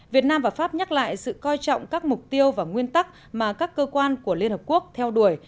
việt nam và pháp nhắc lại sự coi trọng các mục tiêu và nguyên tắc mà các cơ quan của liên hợp quốc theo đuổi